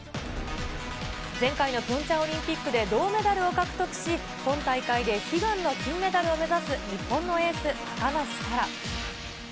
前回のピョンチャンオリンピックで銅メダルを獲得し、今大会で悲願の金メダルを目指す日本のエース、高梨沙羅。